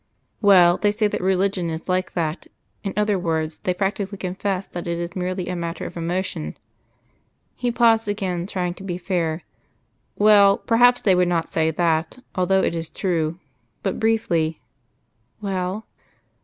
"Well, they say that Religion is like that in other words, they practically confess that it is merely a matter of emotion." He paused again, trying to be fair. "Well, perhaps they would not say that although it is true. But briefly " "Well?"